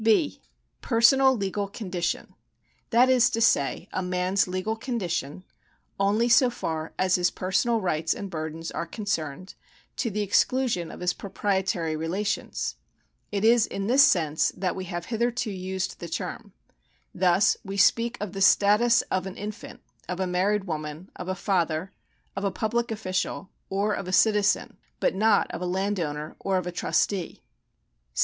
(b) Personal legal condition ; that is to say, a man's legal condition, only so far as his personal rights and burdens are concerned, to the exclusion of his proprietary relations. It is in this sense that we have hitherto used the term. Thus we speak of the status of an infant, of a married woman, of a father, of a public official, or of a citizen ; but not of a landowner or of a trustee.